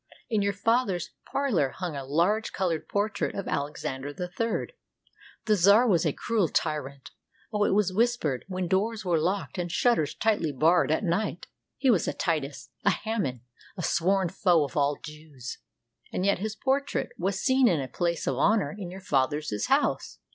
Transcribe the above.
In your father's parlor hung a large colored portrait of Alexander III. The czar was a cruel tyrant — oh, it was whispered when doors were locked and shutters tightly barred, at night — he was a Titus, a Haman, a sworn foe of all Jews — and yet his portrait was seen in a place of honor in your father's house.